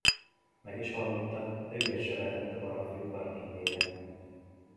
Meg is hallotta, de ügyet se vetett a baromfiudvar népére.